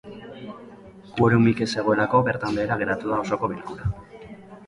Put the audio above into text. Quorum-ik ez zegoelako bertan behera geratu da osoko bilkura.